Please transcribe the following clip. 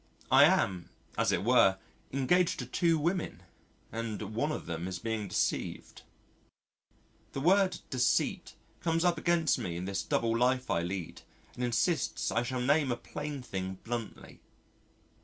I am as it were engaged to two women and one of them is being deceived. The word "Deceit" comes up against me in this double life I lead, and insists I shall name a plain thing bluntly.